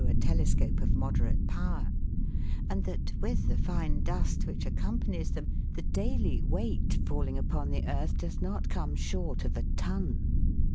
a telescope of moderate power, and that, with the fine dust which accompanies them, the daily weight falling upon the earth does not come short of a ton.